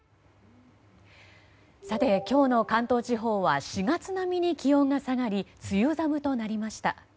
今日の関東地方は４月並みに気温が下がり梅雨寒となりました。